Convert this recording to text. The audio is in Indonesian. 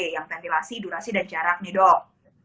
yang ventilasi durasi dan jaraknya dok